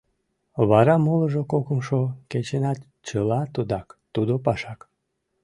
Вара молыжо кокымшо кечынат чыла тудак, тудо пашак.